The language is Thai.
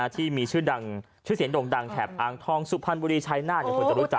ที่มีชื่อเสียงด่งดังแถบอางทองสุภัณฑ์บุรีชัยน่าอย่างคนจะรู้จัก